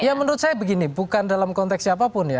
ya menurut saya begini bukan dalam konteks siapapun ya